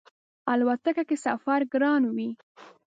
الوتکه کی سفر ګران وی